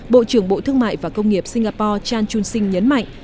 bộ trưởng bộ thương mại và công nghiệp singapore chan jon sing nhấn mạnh